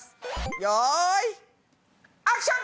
よいアクション！